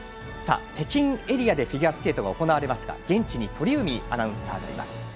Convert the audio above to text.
北京エリアでフィギュアスケートが行われますが現地に鳥海アナウンサーがいます。